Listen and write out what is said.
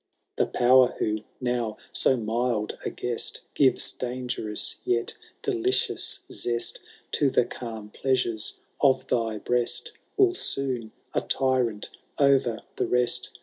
The power who, now so mild a guest, Gives dangerous yet delidoua zest To the calm pleasures of thy breaft» Will soon, a tyrant o*er the rest.